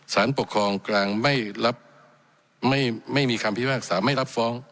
สารปกครองกลางไม่รับไม่มีคำพิพากษาไม่รับฟ้อง